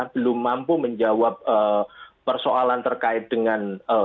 belum mampu menjawab persoalan terkait dengan